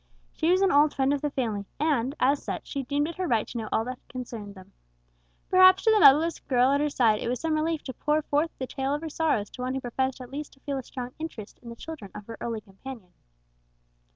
She was an old friend of the family, and, as such, she deemed it her right to know all that concerned them. Perhaps to the motherless girl at her side it was some relief to pour forth the tale of her sorrows to one who professed at least to feel a strong interest in the children of her early companion.